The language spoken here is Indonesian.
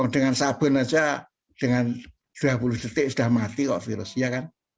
dengan sabun saja dengan dua puluh detik sudah mati kok virusnya kan